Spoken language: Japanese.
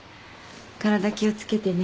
体気を付けてね。